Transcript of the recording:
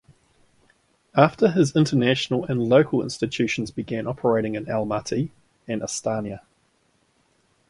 After this international and local institutions began operating in Almaty and Astana.